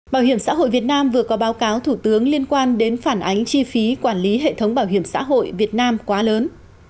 bảo hiểm xã hội việt nam vừa có báo cáo thủ tướng liên quan đến phản ánh chi phí quản lý hệ thống bảo hiểm xã hội việt nam quá lớn